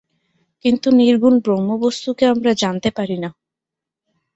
কিন্তু নির্গুণ ব্রহ্মবস্তুকে আমরা জানতে পারি না।